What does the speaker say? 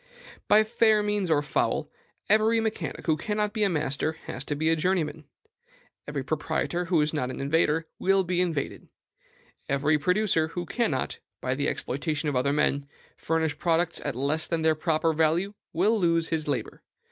By fair means or foul, every mechanic who cannot be a master has to be a journeyman; every proprietor who is not an invader will be invaded; every producer who cannot, by the exploitation of other men, furnish products at less than their proper value, will lose his labor.